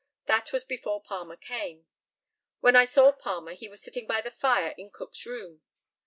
That was before Palmer came. When I saw Palmer he was sitting by the fire in Cook's room.